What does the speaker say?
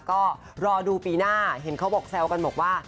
ก็รอดูปีหน้าเห็นเขาบอกแซวกันบอกว่า